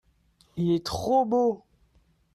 il est trop beau.